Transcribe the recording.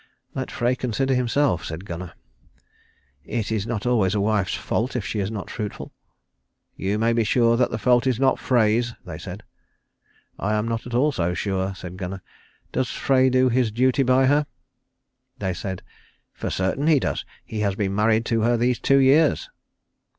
"Let Frey consider himself," said Gunnar. "It is not always a wife's fault if she is not fruitful." "You may be sure that the fault is not Frey's," they said. "I am not at all so sure," said Gunnar. "Does Frey do his duty by her?" They said, "For certain he does. He has been married to her these two years."